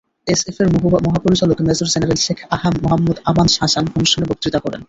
এসএসএফের মহাপরিচালক major general Sheikh Mohammad Aman Hasan অনুষ্ঠানে বক্তৃতা করেন।